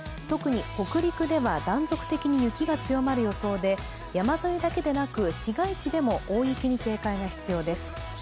特に北陸では断続的に雪が強まる予想で、山沿いだけでなく、市街地でも大雪に警戒が必要です。